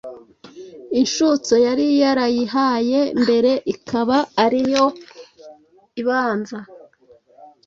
Inshutso yari yarayihaye mbere ikaba ariyo ibanza,